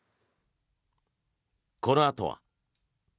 このあとは。